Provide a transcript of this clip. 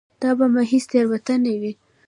دا به محض تېروتنه وي.